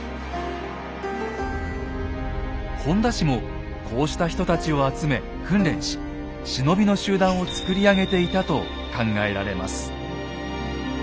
本田氏もこうした人たちを集め訓練し忍びの集団をつくり上げていたと考えられます。